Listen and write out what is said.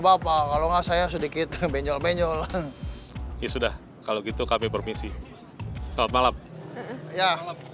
bapak kalau enggak saya sedikit benjol benyol ya sudah kalau gitu kami permisi selamat malam ya